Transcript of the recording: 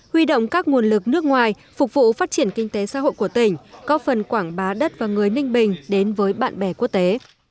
huy động các nguồn lực nước ngoài phục vụ phát triển kinh tế xã hội của tỉnh có phần quảng bá đất và người ninh bình đến với bạn bè quốc tế